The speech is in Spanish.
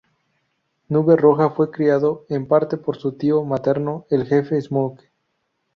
Nube Roja fue criado en parte por su tío materno, el jefe Smoke.